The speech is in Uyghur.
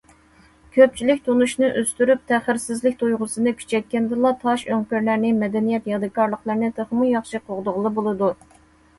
« كۆپچىلىك تونۇشنى ئۆستۈرۈپ، تەخىرسىزلىك تۇيغۇسىنى كۈچەيتكەندىلا، تاش ئۆڭكۈرلەرنى، مەدەنىيەت يادىكارلىقلىرىنى تېخىمۇ ياخشى قوغدىغىلى بولىدۇ».